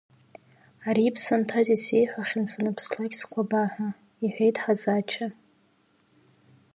Ари иԥсы анҭаз исеиҳәахьан санԥслак скәаба ҳәа, иҳәит Ҳазача.